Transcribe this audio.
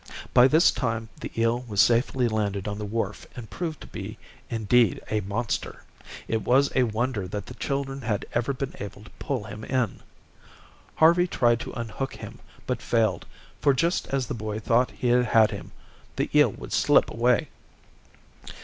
By this time, the eel was safely landed on the wharf, and proved to be indeed a monster. It was a wonder that the children had ever been able to pull him in. Harvey tried to unhook him, but failed; for just as the boy thought he had him, the eel would slip away.